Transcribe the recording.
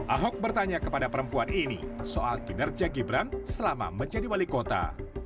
ahok bertanya kepada perempuan ini soal kinerja gibran selama menjadi wali kota